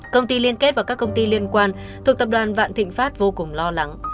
công ty liên kết và các công ty liên quan thuộc tập đoàn vạn thịnh pháp vô cùng lo lắng